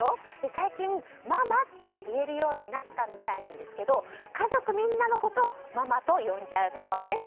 最近、ママって言えるようになったみたいなんですけど家族みんなのことをママと呼んじゃうそうです。